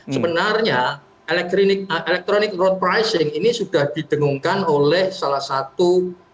sebenarnya electronic road pricing ini sudah didengungkan oleh salah satu